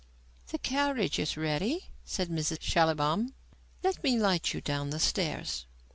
"The carriage is ready," said Mrs. Schallibaum. "Let me light you down the stairs."